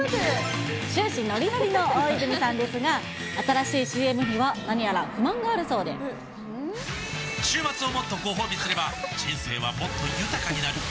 終始のりのりの大泉さんですが、新しいＣＭには何やら不満が週末をもっとご褒美すれば、人生はもっと豊かになる。